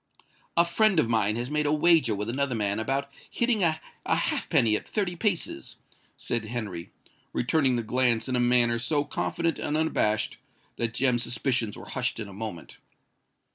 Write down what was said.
"A friend of mine has made a wager with another man about hitting a halfpenny at thirty paces," said Henry, returning the glance in a manner so confident and unabashed, that Jem's suspicions were hushed in a moment.